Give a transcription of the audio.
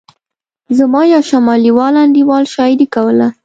زما یو شمالي وال انډیوال شاعري کوله.